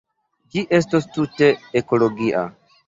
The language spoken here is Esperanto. Ĝi estos tute ekologia.